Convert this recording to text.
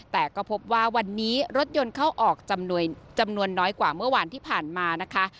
แต่ก็พบว่าวันนี้รถยนต์เข้าออกจำนวนจำนวนน้อยกว่าเมื่อวานที่ผ่านมานะคะ